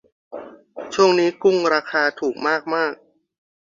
ช่วงนี้กุ้งราคาถูกมากมาก